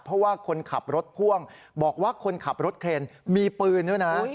เพราะว่าคนขับรถพ่วงบอกว่าคนขับรถเครนมีปืนด้วยนะ